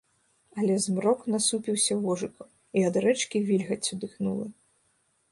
Але змрок насупіўся вожыкам, і ад рэчкі вільгаццю дыхнула.